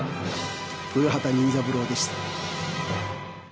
古畑任三郎でした。